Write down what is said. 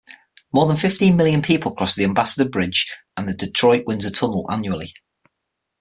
More than fifteen million people cross the Ambassador Bridge and the Detroit-Windsor Tunnel annually.